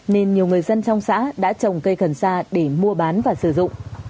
nên nhiều người dân trong xã đã trồng cây cần sa để mua bán và sử dụng